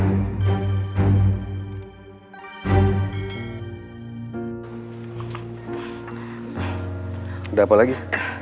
udah apa lagi